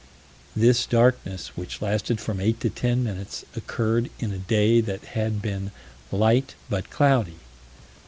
This darkness, which lasted from eight to ten minutes, occurred in a day that had been "light but cloudy."